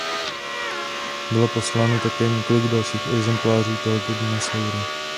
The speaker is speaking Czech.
Bylo popsáno také několik dalších exemplářů tohoto dinosaura.